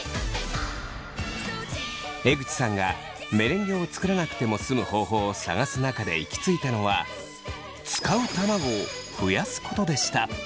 江口さんがメレンゲを作らなくても済む方法を探す中で行き着いたのは使う卵を増やすことでした。